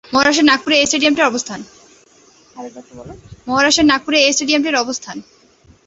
মহারাষ্ট্রের নাগপুরে এ স্টেডিয়ামটির অবস্থান।